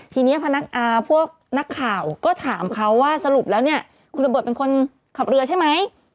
ทีนี้พนักอาพวกนักข่าวก็ถามเขาว่าสรุปแล้วเนี่ยคุณระเบิดเป็นคนขับเรือใช่ไหม